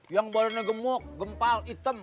yang badannya gemuk gempal hitam